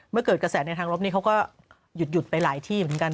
เมื่อเกิดกระแสในทางลบนี้เขาก็หยุดไปหลายที่เหมือนกัน